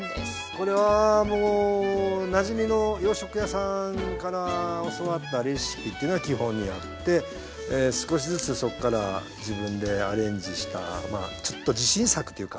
これはなじみの洋食屋さんから教わったレシピというのが基本にあって少しずつそこから自分でアレンジしたちょっと自信作っていうか。